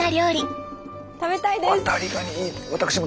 私も食べたいです！